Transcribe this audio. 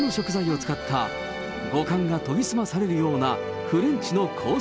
日本の旬の食材を使った五感が研ぎ澄まされるようなフレンチのコース